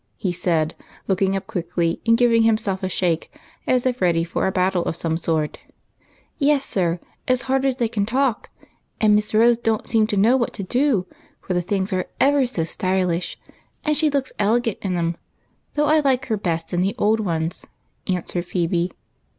he said, looking up quickly, and giving himself a shake, as if ready for a battle of some sort. " Yes, sir, as hard as they can talk, and Miss Rose don't seem to know what to do, for the things are ever so stylish, and she looks elegant in 'em ; though I like her best in the old ones," answered Phebe.